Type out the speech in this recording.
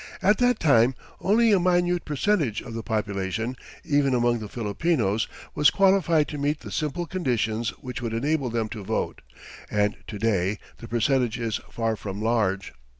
At that time only a minute percentage of the population, even among the Filipinos, was qualified to meet the simple conditions which would enable them to vote, and to day the percentage is far from large.